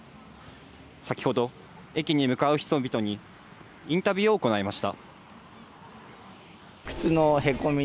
先ほど、駅に向かう人々に、インタビューを行いました。